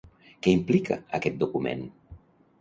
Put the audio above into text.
Què implica aquest document?